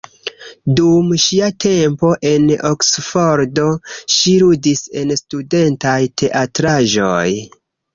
Dum ŝia tempo en Oksfordo, ŝi ludis en studentaj teatraĵoj.